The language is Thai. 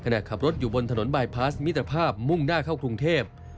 ขณะขับรถอยู่บนถนนบายพาสมิตรภาพมุ่งหน้าเข้ากรุงเทพ